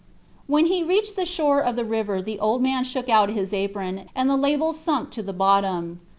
When he reached the shore of the river the old man shook out his apron, and the labels sunk to the bottom.